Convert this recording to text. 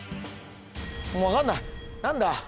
もう分かんない何だ